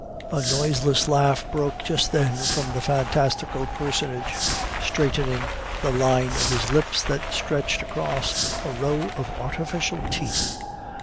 A noiseless laugh broke just then from the fantastical personage, straightening the line of his lips that stretched across a row of artificial teeth.